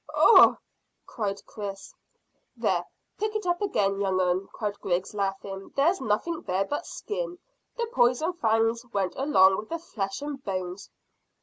"Ugh!" cried Chris. "There, pick it up again, young un," cried Griggs, laughing. "There's nothing there but skin. The poison fangs went along with the flesh and bones."